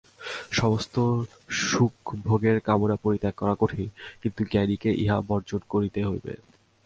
সমস্ত সুখভোগের কামনা পরিত্যাগ করা কঠিন, কিন্তু জ্ঞানীকে ইহা বর্জন করিতে হইবে।